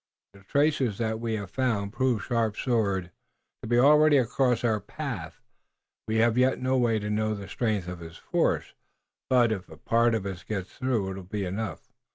"The traces that we have found prove Sharp Sword to be already across our path. We have yet no way to know the strength of his force, but, if a part of us get through, it will be enough."